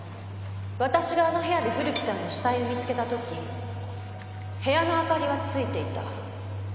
私があの部屋で古木さんの死体を見つけた時部屋の明かりはついていた。